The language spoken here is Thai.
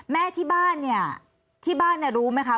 แม่ที่บ้านเนี่ยที่บ้านเนี่ยรู้ไหมคะ